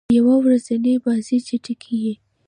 یو ورځنۍ بازۍ چټکي يي.